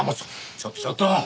ちょっとちょっと！